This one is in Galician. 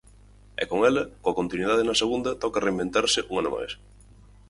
E con ela, coa continuidade na segunda, toca reinventarse un ano máis.